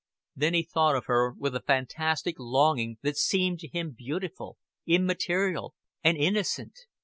Then he thought of her with a fantastic longing that seemed to him beautiful, immaterial, and innocent.